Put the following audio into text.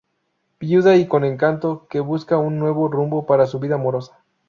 Viuda y con encanto, que busca un nuevo rumbo para su vida amorosa.